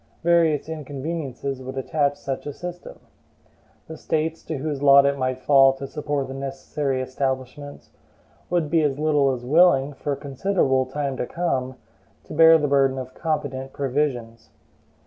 Various inconveniences would attend such a system. The States, to whose lot it might fall to support the necessary establishments, would be as little able as willing, for a considerable time to come, to bear the burden of competent provisions.